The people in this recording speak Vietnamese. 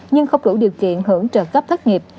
nhưng không đủ điều kiện hưởng trợ cấp thất nghiệp